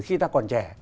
khi ta còn trẻ